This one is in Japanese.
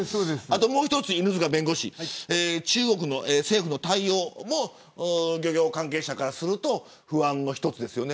もう一つ、犬塚弁護士中国の政府の対応も漁業関係者からすると不安の一つですよね。